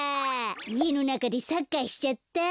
いえのなかでサッカーしちゃった。